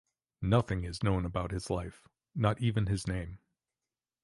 Nothing is known about his life, not even his name.